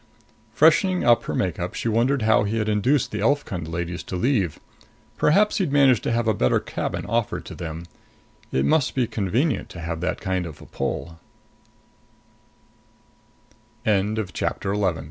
Freshening up her make up, she wondered how he had induced the Elfkund ladies to leave. Perhaps he'd managed to have a better cabin offered to them. It must be convenient to have that kind of a pull. 12 "Well, we didn't just leave it up to them," Quillan said.